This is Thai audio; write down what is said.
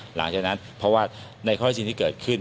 หลังจากนั้นเพราะว่าในข้อที่จริงที่เกิดขึ้น